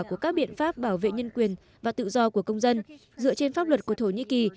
của các biện pháp bảo vệ nhân quyền và tự do của công dân dựa trên pháp luật của thổ nhĩ kỳ